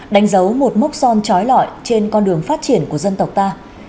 đánh dấu một mốc son trói lọi trên con đường phát triển của dân tộc ta